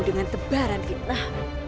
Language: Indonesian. dengan tebaran fitnah